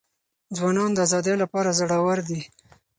ځوانان د آزادۍ لپاره زړه ور دي.